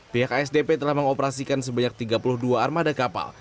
pihak asdp telah mengoperasikan sebanyak tiga puluh dua armada kapal